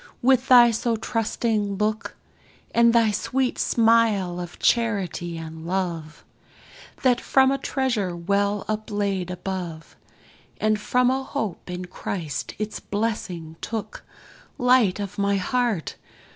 with thy so trusting look, And thy sweet smile of charity and love, That from a treasure well uplaid above, And from a hope in Christ its blessing took; Light of my heart!